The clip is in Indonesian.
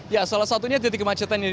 ya salah satunya titik kemacetan ini